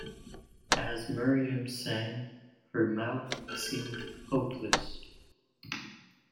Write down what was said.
As Miriam sang her mouth seemed hopeless.